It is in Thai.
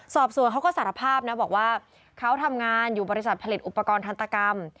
สอบสวนเขาก็สารภาพนะบอกว่าเขาทำงานอยู่บริษัทผลิตอุปกรณ์ทันตกรรม